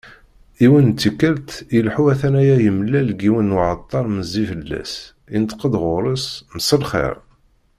Yiwet n tikkelt, ileḥḥu a-t-aya yemlal-d yiwen n uεeṭṭar meẓẓi fell-as, yenṭeq-d γur-s: Mselxir.